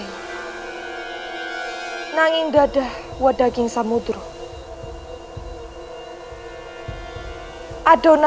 di tempat yang tidak ada daging di seluruh dunia